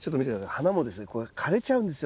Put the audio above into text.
花もですね枯れちゃうんですよ